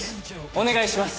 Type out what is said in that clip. お願いします！